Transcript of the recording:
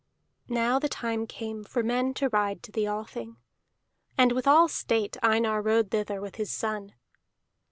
Now the time came for men to ride to the Althing, and with all state Einar rode thither with his son.